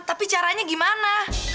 tapi caranya gimana